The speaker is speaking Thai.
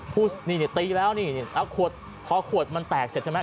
พูดนี่ตีแล้วนี่เอาขวดพอขวดมันแตกเสร็จใช่ไหม